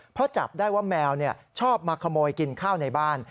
เพราะจับได้ว่าแมวชอบมาขโมยกินข้าวในบ้าน